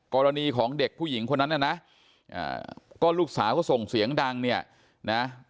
กรณีของเด็กผู้หญิงคนนั้นน่ะนะก็ลูกสาวก็ส่งเสียงดังเนี่ยนะ